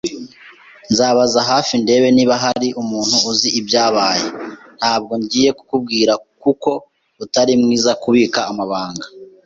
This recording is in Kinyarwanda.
Nzabaza hafi ndebe niba hari umuntu uzi ibyabaye. Ntabwo ngiye kukubwira kuko utari mwiza kubika amabanga.